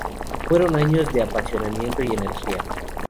Fueron años de apasionamiento y energía.